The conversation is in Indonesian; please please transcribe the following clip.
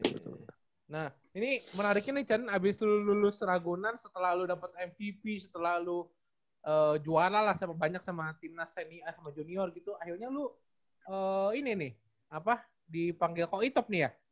nah ini menariknya nih chan abis lulus ragunan setelah lu dapat mvp setelah lu juara lah sama banyak sama timnas seni a sama junior gitu akhirnya lu ini nih dipanggil kok itop nih ya